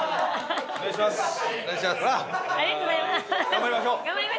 頑張りましょう。